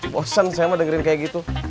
bosan saya mah dengerin kayak gitu